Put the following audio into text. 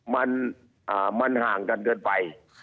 มันห่างกันเกินไป